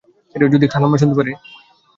যদি খালাম্মা শুনতে পারে?